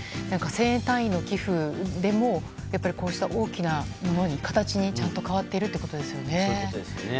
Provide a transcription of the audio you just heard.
１０００円単位の寄付でもこうやって大きなものや形にちゃんと変わっているということですよね。